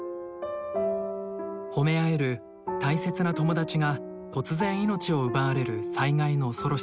ほめ合える大切な友達が突然命を奪われる災害の恐ろしさ。